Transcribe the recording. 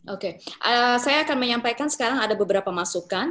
oke saya akan menyampaikan sekarang ada beberapa masukan